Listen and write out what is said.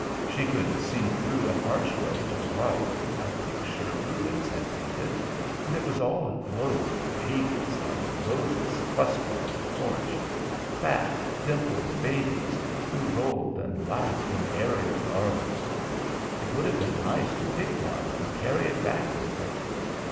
She could see through an archway to the right a picture Rubens had painted, and it was all aglow with babies like roses clustered at a porch fat, dimpled babies who rolled and laughed in aërial garlands. It would have been nice to pick one and carry it back with her.